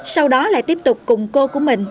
sau đó lại tiếp tục cùng cô của mình